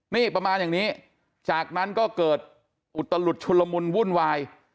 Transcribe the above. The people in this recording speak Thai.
นี่ประมาณอย่างนี้จากนั้นก็เกิดอุตลุดชุลมุนวุ่นวาย